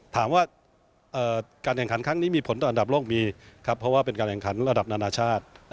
ถามว่าการแข่งขันครั้งนี้มีผลต่ออันดับโลกมีครับเพราะว่าเป็นการแข่งขันระดับนานาชาติ